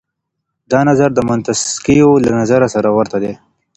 دا نظر د منتسکيو له نظره سره ورته دی.